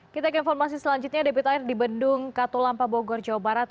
kita ke informasi selanjutnya debit air di bendung katulampa bogor jawa barat